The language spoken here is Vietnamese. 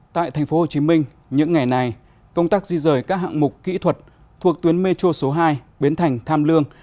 tại tp hcm những ngày này công tác di rời các hạng mục kỹ thuật thuộc tuyến metro số hai bến thành tham lương